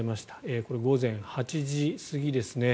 これ、午前８時過ぎですね。